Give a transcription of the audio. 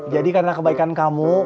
jadi karena kebaikan kamu